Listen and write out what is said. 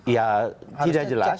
ya tidak jelas